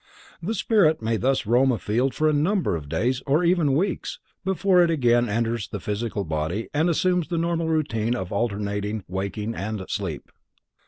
The spirit may thus roam afield for a number of days, or even weeks, before it again enters its physical body and assumes the normal routine of alternating waking and sleep.